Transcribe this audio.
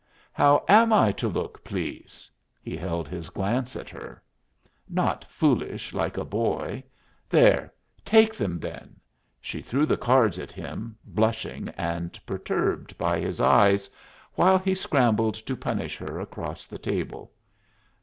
"How am I to look, please?" He held his glance on her. "Not foolish like a boy. There, take them, then!" She threw the cards at him, blushing and perturbed by his eyes, while he scrambled to punish her across the table.